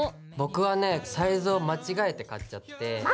僕はねサイズを間違えて買っちゃって。